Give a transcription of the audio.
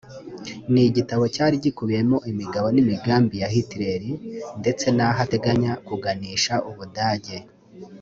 ni igitabo cyari gikubiyemo imigabo n’imigambi ya Hitler ndetse n’aho ateganya kuganisha ubudage